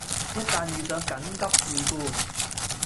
一旦遇上緊急事故